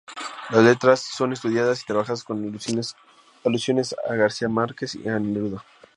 Las letras son estudiadas y trabajadas, con alusiones a García Márquez y a Neruda.